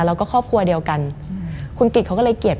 มันกลายเป็นรูปของคนที่กำลังขโมยคิ้วแล้วก็ร้องไห้อยู่